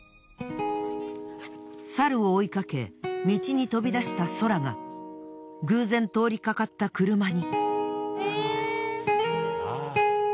サルを追いかけ道に飛び出したソラが偶然通りかかった車に。